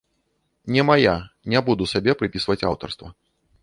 Не мая, не буду сабе прыпісваць аўтарства.